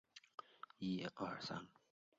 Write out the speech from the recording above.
学生要在企业里来完成实习部分课程。